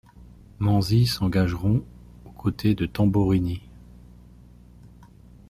Manzi — s’engageront aux côtés de Tamborini.